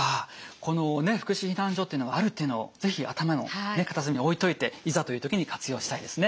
この福祉避難所っていうのがあるっていうのを是非頭の片隅に置いといていざという時に活用したいですね。